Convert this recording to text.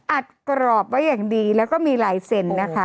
อัดกรอบไว้อย่างดีแล้วก็มีไลน์เซ็นนะคะ